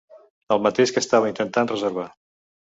El mateix que estava intentant reservar.